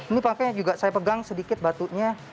ini pakai juga saya pegang sedikit batunya